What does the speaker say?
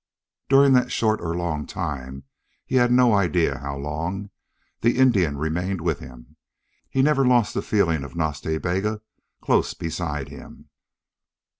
During that short or long time he had no idea how long the Indian remained with him. He never lost the feeling of Nas Ta Bega close beside him.